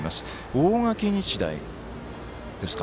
大垣日大ですか。